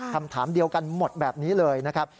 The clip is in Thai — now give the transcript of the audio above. คำถามเดียวกันหมดแบบนี้เลยนะครับ